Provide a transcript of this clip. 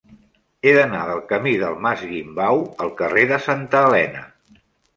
He d'anar del camí del Mas Guimbau al carrer de Santa Elena.